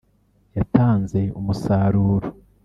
yatanze umusaruro